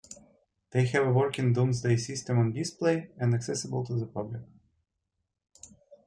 They have a working Domesday system on display and accessible to the public.